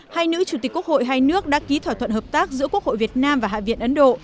hai nữ chủ tịch quốc hội hai nước đã ký thỏa thuận hợp tác giữa quốc hội việt nam và hạ viện ấn độ